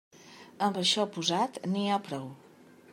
Amb això posat n'hi ha prou.